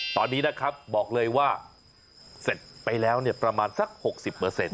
ตอนนี้นะครับบอกเลยว่าเสร็จไปแล้วเนี่ยประมาณสักหกสิบเปอร์เซ็นต์